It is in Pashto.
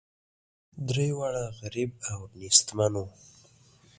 درې واړه غریب او نیستمن وه.